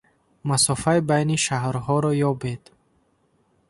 Масофаи байни шаҳрҳоро ёбед.